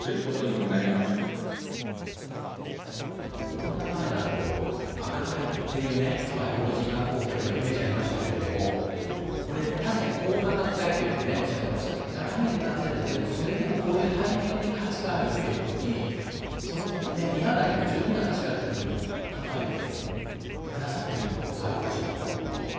コロナ前だと、爆買いっていうね、外国人観光客のイメージありましたけれども、これ、確かに高価格帯というふうにおっしゃっていました、高い値段設定、でもそれでもこういう体験に価値があるというふうに、見合うだけの十分な価値があるというふうに考えて下さっているということですか、外国人の方も。